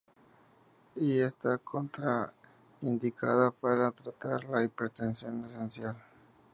Y está contraindicada para tratar la hipertensión esencial.